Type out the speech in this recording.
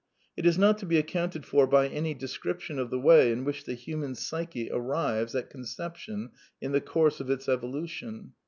It is not to be accounted for by • any description of the way in which the human psyche '^ arrives at conception in the course of its evolution.